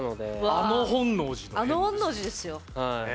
あの本能寺ですよ。